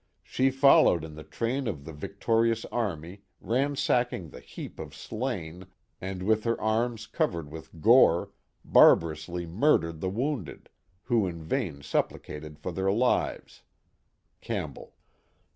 She followed in the train of the victori ous army, ransacking the heap of slain, and with her arms covered with gore, barbarously murdered the wounded, who in vain supplicated for their lives " (Campbell).